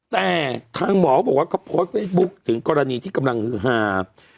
แต่ทางหมอบอกว่าเขาโพสต์เฟซบุ๊คถึงกรณีที่กำลังฮือฮา